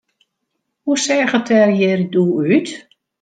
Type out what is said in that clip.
Hoe seach it der hjir doe út?